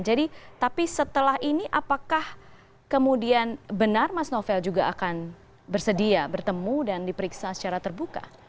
jadi tapi setelah ini apakah kemudian benar mas novel juga akan bersedia bertemu dan diperiksa secara terbuka